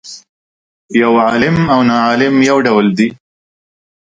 یو عالم او ناعالم یو ډول دي.